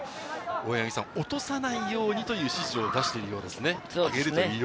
落とさないようにという指示を出しているようですね。